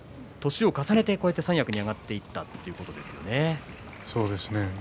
年を重ねてこうして三役に上がっていったとそうですね。